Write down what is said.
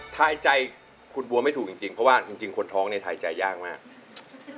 ทายใจคุณบัวไม่ถูกจริงเพราะว่าจริงคนท้องเนี่ยทายใจยากมาก